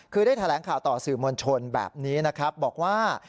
คือได้แถลงข่าวต่อสื่อมวลชนแบบนี้นะครับบอกว่า